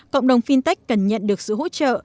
cộng đồng fintech cần nhận được sự hỗ trợ